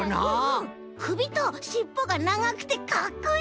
くびとしっぽがながくてかっこいい！